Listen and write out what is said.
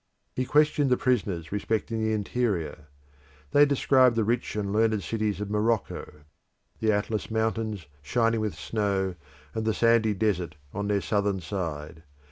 He questioned the prisoners respecting the interior. They described the rich and learned cities of Morocco: the Atlas mountains, shining with snow and the sandy desert on their southern side.